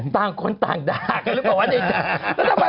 ต้องคนต่างด่ากันหรือเปล่าว่าจะด่า